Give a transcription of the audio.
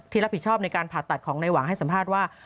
รับผิดชอบในการผ่าตัดของในหวังให้สัมภาษณ์ว่า